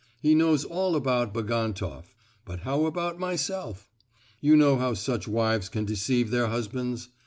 He knows all about Bagantoff; but how about myself? You know how such wives can deceive their husbands!